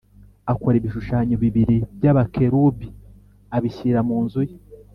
akora ibishushanyo bibiri by abakerubi abishyira mu nzu ye